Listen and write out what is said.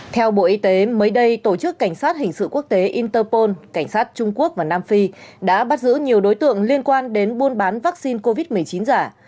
theo bộ y tế mới đây tổ chức cảnh sát hình sự quốc tế interpol cảnh sát trung quốc và nam phi đã bắt giữ nhiều đối tượng liên quan đến buôn bán vaccine covid một mươi chín giả